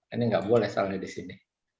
ini nggak boleh selalu di sini